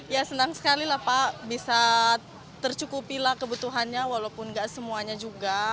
ya senang sekali lah pak bisa tercukupilah kebutuhannya walaupun enggak semuanya juga